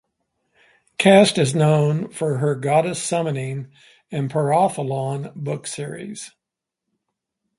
Cast is known for her "Goddess Summoning" and "Partholon" book series.